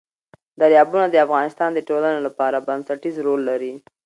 دریابونه د افغانستان د ټولنې لپاره بنسټيز رول لري.